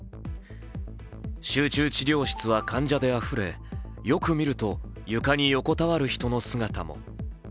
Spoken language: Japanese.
集中治療室は患者であふれよく見ると床に横たわる人の姿も。